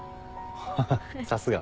ハハッさすが。